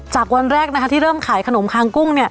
วันแรกนะคะที่เริ่มขายขนมคางกุ้งเนี่ย